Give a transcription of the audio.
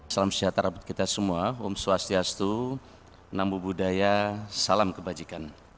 salam sejahtera buat kita semua om swastiastu nambu budaya salam kebajikan